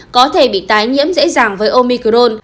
có thể bị tái nhiễm dễ dàng với omicron